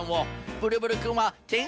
ブルブルくんはてん